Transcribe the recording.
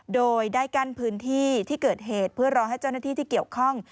โดยได้กั้นพื้นที่ที่เกิดเหตุเพื่อรอให้เจ้าหน้าที่ที่เกี่ยวข้อง